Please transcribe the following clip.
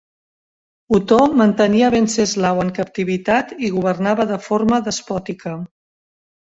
Otó mantenia a Venceslau en captivitat i governava de forma despòtica.